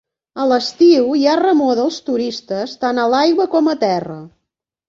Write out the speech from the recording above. A l'estiu hi ha remor dels turistes, tant a l'aigua com a terra.